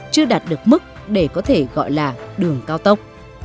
chưa đạt được mức để có thể gọi là đường cao tốc